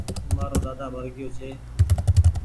مآرو ۮاۮا مر گيوٚ